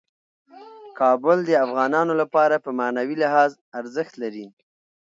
کابل د افغانانو لپاره په معنوي لحاظ ارزښت لري.